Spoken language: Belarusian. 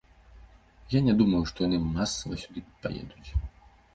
Я не думаю, што яны масава сюды паедуць.